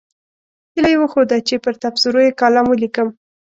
هیله یې وښوده چې پر تبصرو یې کالم ولیکم.